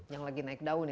yang lagi naik daun